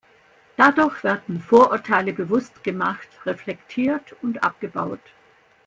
Dadurch werden Vorurteile bewusst gemacht, reflektiert und abgebaut.